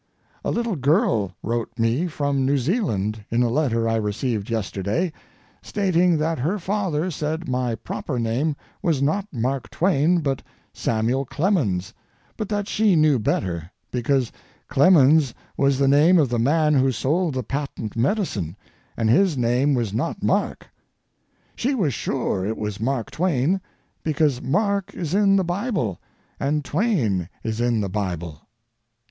A little girl wrote me from New Zealand in a letter I received yesterday, stating that her father said my proper name was not Mark Twain but Samuel Clemens, but that she knew better, because Clemens was the name of the man who sold the patent medicine, and his name was not Mark. She was sure it was Mark Twain, because Mark is in the Bible and Twain is in the Bible.